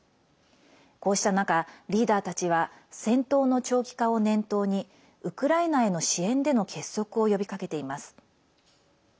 こうした中、リーダーたちは戦闘の長期化を念頭にウクライナへの支援での結束を呼びかけています。